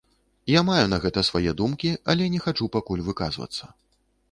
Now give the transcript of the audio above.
Я маю на гэта свае думкі, але не хачу пакуль выказвацца.